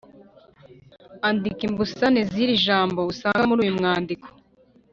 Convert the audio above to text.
andika imbusane z’iri jambo, usanga muri uyu mwandiko